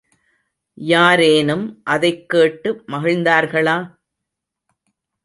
யாரேனும் அதைக் கேட்டு மகிழ்ந்தார்களா?